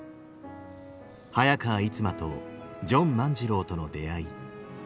早川逸馬とジョン万次郎との出会い。